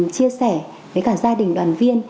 chia sẻ với cả gia đình đoàn viên